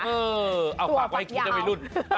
เออเอาฝากไว้กูจะไปรุ่น